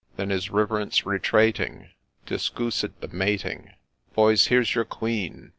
Then his Riverence, retrating, discoo sed the mating ;' Boys ! Here 's your Queen